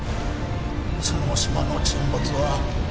その島の沈没は